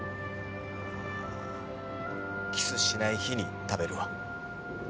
ああキスしない日に食べるわ。